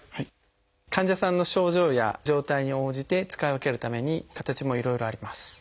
患者さんの症状や状態に応じて使い分けるために形もいろいろあります。